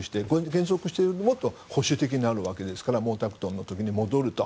減速しているともっと保守的になるわけですから毛沢東の時に戻ると。